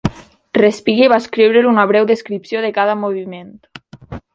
Respighi va escriure una breu descripció de cada moviment.